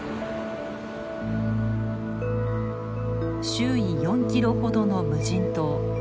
周囲４キロほどの無人島。